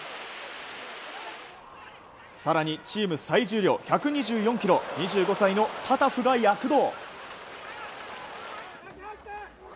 更にチーム再重量、１２４ｋｇ２５歳のタタフが躍動。